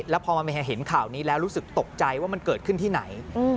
แล้วพอมาเห็นข่าวนี้แล้วรู้สึกตกใจว่ามันเกิดขึ้นที่ไหน